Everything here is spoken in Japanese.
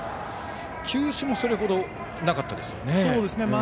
球種もそれほどなかったですよね。